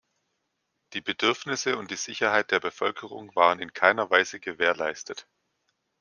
Die Bedürfnisse und die Sicherheit der Bevölkerung waren in keiner Weise gewährleistet.